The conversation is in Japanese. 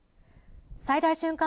最大瞬間